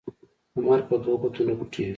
لمرپه دوو ګوتو نه پټيږي